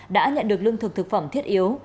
đã nhận được lương thực thực phẩm thiết yếu